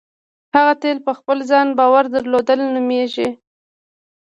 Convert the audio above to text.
هغه تیل په خپل ځان باور درلودل نومېږي.